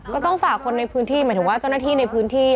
ก็ต้องฝากคนในพื้นที่หมายถึงว่าเจ้าหน้าที่ในพื้นที่